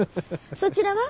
そちらは？